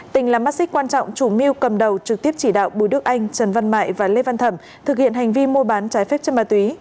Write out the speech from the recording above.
tình là mắt xích quan trọng chủ mưu cầm đầu trực tiếp chỉ đạo bùi đức anh trần văn mại và lê văn thẩm thực hiện hành vi mua bán trái phép chân ma túy